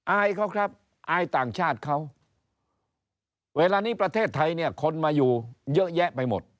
อายเขาครับอายต่างชาติเขาเวลานี้ประเทศไทยเนี่ยคนมาอยู่เยอะแยะไปหมด